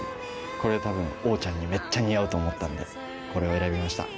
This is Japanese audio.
これ多分オウちゃんにめっちゃ似合うと思ったんでこれを選びました。